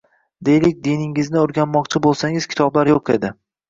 Deylik, diningizni o‘rganmoqchi bo‘lsangiz, kitoblar yo‘q edi.